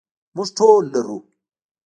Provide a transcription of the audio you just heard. موږ ټول لرو.